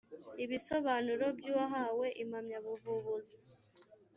ibisobanuro by uwahawe impamyabuvubuzi